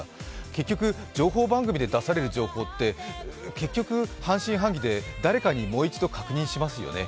結局、情報番組で出される情報って結局、半信半疑で誰かにもう一度確認しますよね。